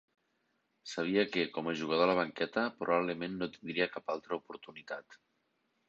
Sabia que, com a jugador a la banqueta, probablement no tindria cap altra oportunitat.